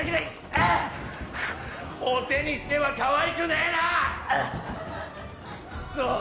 ああっお手にしてはかわいくねえなクッソ